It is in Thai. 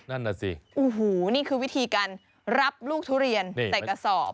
โอ้โหนี่คือวิธีการรับลูกทุเรียนแต่กระสอบ